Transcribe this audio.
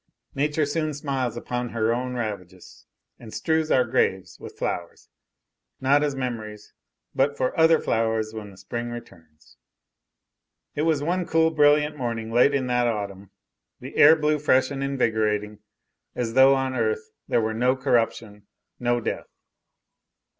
Nature soon smiles upon her own ravages and strews our graves with flowers, not as memories, but for other flowers when the spring returns. It was one cool, brilliant morning late in that autumn. The air blew fresh and invigorating, as though on the earth there were no corruption, no death.